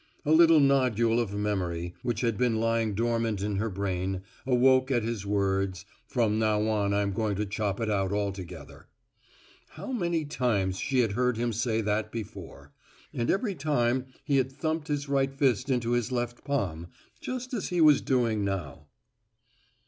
A little nodule of memory, which had been lying dormant in her brain, awoke at his words, "from now on I'm going to chop it out altogether." How many times she had heard him say that before and every time he had thumped his right fist into his left palm, just as he was doing now.